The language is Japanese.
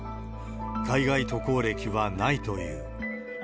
海外渡航歴はないという。